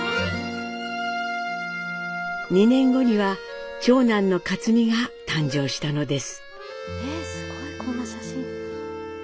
２年後には長男の克実が誕生したのです。